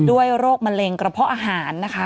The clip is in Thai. โรคมะเร็งกระเพาะอาหารนะคะ